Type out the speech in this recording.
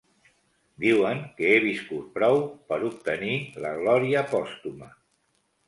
Diuen que he viscut prou per obtenir la glòria pòstuma.